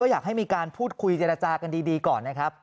อยากให้มีการพูดคุยเจรจากันดีก่อนนะครับ